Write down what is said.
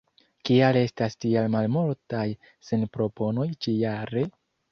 Kial estas tiel malmultaj sinproponoj ĉi-jare?